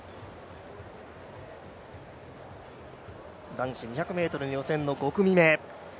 男子２００ｍ予選の５組目。